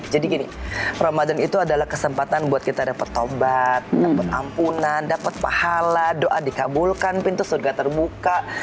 jadi gini ramadhan itu adalah kesempatan buat kita dapat tobat dapat ampunan dapat pahala doa dikabulkan pintu surga terbuka